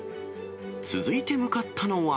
続いて向かったのは。